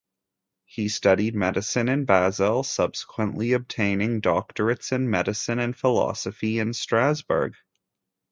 He studied medicine in Basel, subsequently obtaining doctorates in medicine and philosophy in Strasbourg.